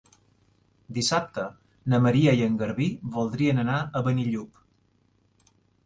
Dissabte na Maria i en Garbí voldrien anar a Benillup.